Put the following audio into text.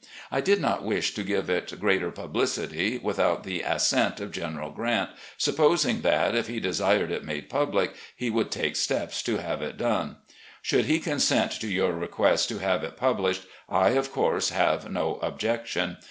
I did not wish to give it greater pub licity without the assent of General Grant, supposing that, if he desired it made public, he would take steps to have it done. Should he consent to your request to have it published, I, of course, have no objection.